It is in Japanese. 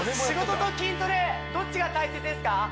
仕事と筋トレどっちが大切ですか？